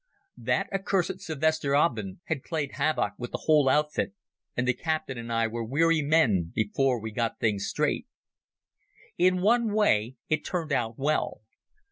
That accursed Sylvesterabend had played havoc with the whole outfit, and the captain and I were weary men before we got things straight. In one way it turned out well.